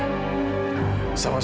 terima kasih fadil